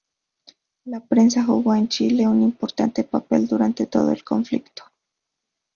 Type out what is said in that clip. La prensa jugó en Chile un importante papel durante todo el conflicto.